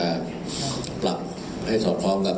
ให้สอดพร้อมกับพวกประมาณต่างที่ต้องมีอยู่ในปัจจุบันด้วยนะครับ